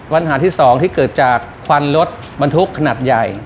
ปัญหาที่๒ที่เกิดจากควันรถบรรทุกขนาดใหญ่